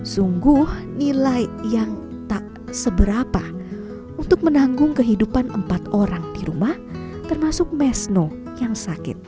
sungguh nilai yang tak seberapa untuk menanggung kehidupan empat orang di rumah termasuk mesno yang sakit